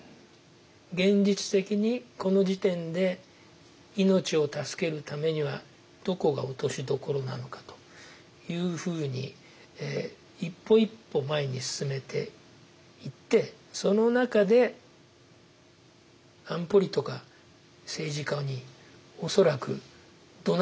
現実的にこの時点で命を助けるためにはどこが落としどころなのかというふうに一歩一歩前に進めていってその中でときにはＮＯも言いながら。